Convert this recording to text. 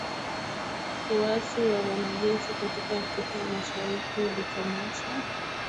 ya uasi wa wanajeshi katika Afrika ya Mashariki uliokomeshwa na askari Waingereza katika Tanganyika